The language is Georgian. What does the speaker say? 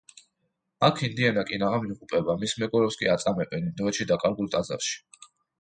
აქ ინდიანა კინაღამ იღუპება, მის მეგობრებს კი აწამებენ ინდოეთში დაკარგულ ტაძარში.